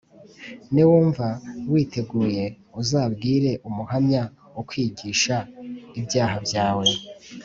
Niwumva witeguye uzabwire Umuhamya ukwigisha ibyaha byawe